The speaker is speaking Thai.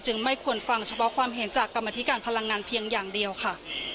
ไม่ควรฟังเฉพาะความเห็นจากกรรมธิการพลังงานเพียงอย่างเดียวค่ะ